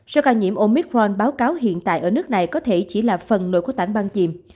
số ca nhiễm omicron báo cáo hiện tại ở nước này có thể chỉ là phần nội có tảng băng chìm